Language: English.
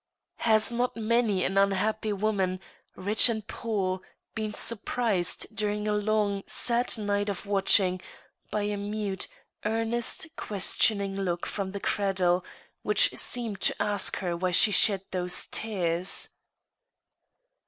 Has not many an unhappy woman, rich and poor, been surprised, during a long, sad night of watching, by a mute, earnest, questioning look from tlie cradle, which seemed to ask her why she shed those tears